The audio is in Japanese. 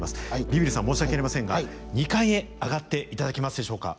ビビるさん申し訳ありませんが２階へ上がっていただけますでしょうか。